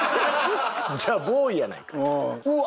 じゃあボーイやないか。